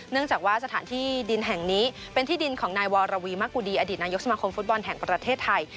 จากว่าสถานที่ดินแห่งนี้เป็นที่ดินของนายวรวีมะกุดีอดีตนายกสมาคมฟุตบอลแห่งประเทศไทย